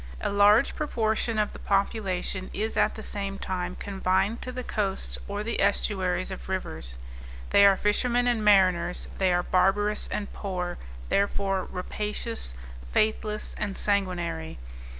A large proportion of the population is at the same time confined to the coasts or the estuaries of rivers; they are fishermen and mariners; they are barbarous and poor, therefore rapacious, faithless and sanguinary.